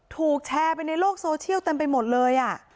ถูกแชร์ไปในโลกโซเชียลเต็มไปหมดเลย